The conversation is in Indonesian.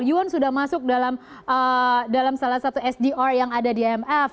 yuan sudah masuk dalam salah satu sdr yang ada di imf